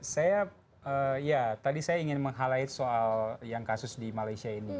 saya ya tadi saya ingin menghalai soal yang kasus di malaysia ini